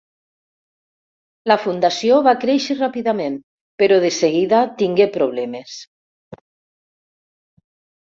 La fundació va créixer ràpidament, però de seguida tingué problemes.